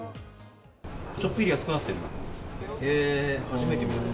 ちょっぴり安くなってる。